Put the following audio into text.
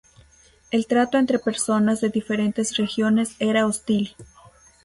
El trato entre personas de diferentes regiones era hostil.